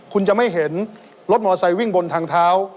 คุณจะไม่เห็นรถมอไซค์วิ่งบนทางเท้า